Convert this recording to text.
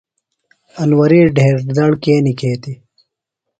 انوری ڈھیر دڑ کے نِکھیتیۡ؟